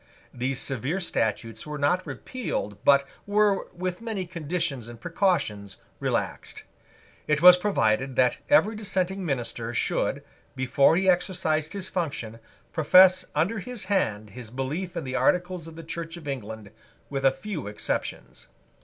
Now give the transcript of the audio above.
These severe statutes were not repealed, but were, with many conditions and precautions, relaxed. It was provided that every dissenting minister should, before he exercised his function, profess under his hand his belief in the articles of the Church of England, with a few exceptions.